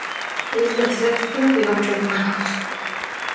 Es la sexta de ocho hermanos.